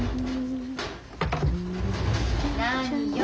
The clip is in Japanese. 何よ。